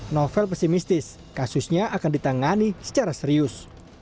novel pesimistis kasusnya akan ditangani secara serius